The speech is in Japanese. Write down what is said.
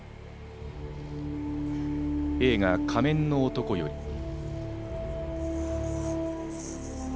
映画「仮面の男」より。